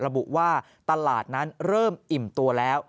ระบุว่าตลาดนั้นเริ่มอิ่มตัวแล้ว